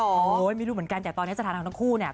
โอ้โหไม่รู้เหมือนกันแต่ตอนนี้สถานะทั้งคู่เนี่ย